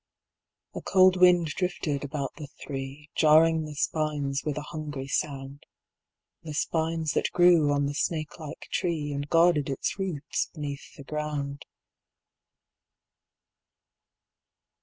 A cold wind drifted about the three, Jarring the spines with a hungry sound. The spines that grew on the snakelike tree And guarded its roots beneath the ground.